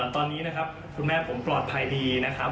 ตอนนี้นะครับคุณแม่ผมปลอดภัยดีนะครับ